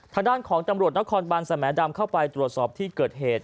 ทางด้านของตำรวจนครบันสมดำเข้าไปตรวจสอบที่เกิดเหตุ